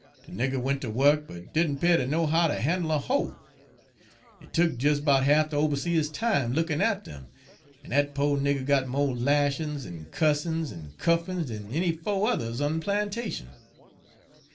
De nigger went ter wuk, but didn' 'pear ter know how ter han'le a hoe. It tuk des 'bout half de oberseah's time lookin' atter 'im, en dat po' nigger got mo' lashin's en cussin's en cuffin's dan any fo'yuthers on de plantation.